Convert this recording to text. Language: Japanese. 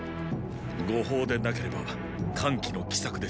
誤報でなければ桓騎の奇策でしょう。